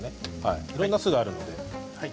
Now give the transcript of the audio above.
いろんな酢があるので。